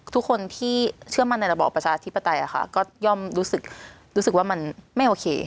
ทุกคนที่เชื่อมั่นในระบอบประชาธิปไตยก็ย่อมรู้สึกว่ามันไม่โอเค